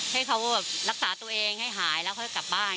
ให้เขารักษาตัวเองให้หายแล้วค่อยกลับบ้าน